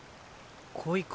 恋か。